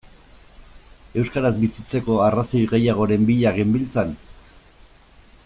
Euskaraz bizitzeko arrazoi gehiagoren bila genbiltzan?